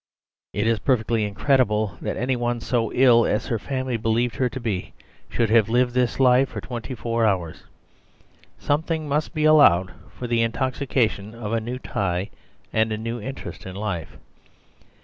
It is perfectly incredible that any one so ill as her family believed her to be should have lived this life for twenty four hours. Something must be allowed for the intoxication of a new tie and a new interest in life.